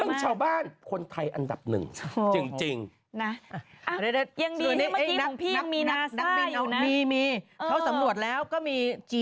นางคิดแบบว่าไม่ไหวแล้วไปกด